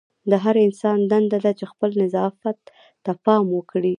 د هر انسان دنده ده چې خپل نظافت ته پام وکړي.